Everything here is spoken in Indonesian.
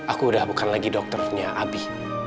aku udah bukan lagi dokternya abi